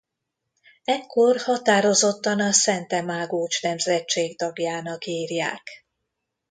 Ekkor határozottan a Szente-Mágócs nemzetség tagjának írják.